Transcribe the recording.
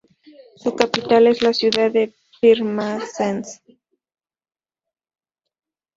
Su capital es la ciudad de Pirmasens.